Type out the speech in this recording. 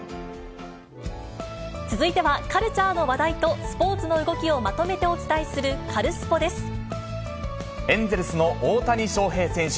続いてはカルチャーの話題とスポーツの動きをまとめてお伝えエンゼルスの大谷翔平選手。